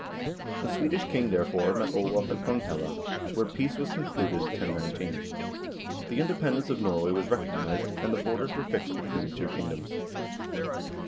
The Swedish king, therefore, met Olav at Konghelle, where peace was concluded, 1019. The independence of Norway was recognized, and the borders were fixed between the two kingdoms.